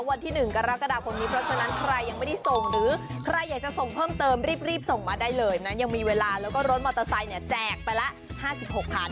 วันที่๑กรกฎาคมนี้เพราะฉะนั้นใครยังไม่ได้ส่งหรือใครอยากจะส่งเพิ่มเติมรีบส่งมาได้เลยนะยังมีเวลาแล้วก็รถมอเตอร์ไซค์เนี่ยแจกไปละ๕๖คัน